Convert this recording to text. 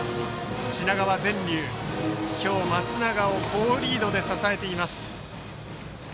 品川善琉、今日松永を好リードで支えています。